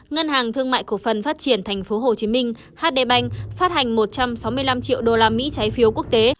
ngân hàng thương mại cổ phần phát triển tp hcm hd bank phát hành một trăm sáu mươi năm triệu đô la mỹ trái phiếu quốc tế